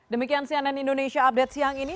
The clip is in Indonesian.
demikian cnn indonesia update siang ini